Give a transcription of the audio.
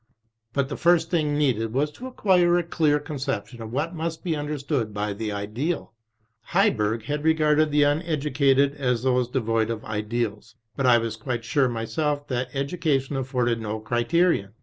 But the first thing needed was to acquire a clear conception of what must be understood by the Ideal. Hci berg had regarded the uneducated as those devoid of ideals. But I was quite sure myself that education afforded no crite rion.